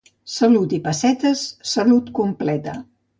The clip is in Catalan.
Salut i pessetes, salut completa.